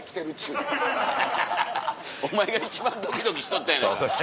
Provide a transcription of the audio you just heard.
お前が一番ドキドキしとったやないか。